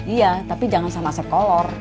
iya tapi jangan sama sekolah